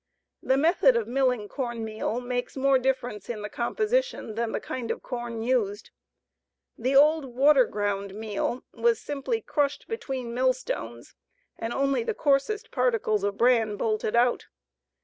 The method of milling corn meal makes more difference in the composition than the kind of corn used. The old "water ground" meal was simply crushed between millstones and only the coarsest particles of bran bolted out.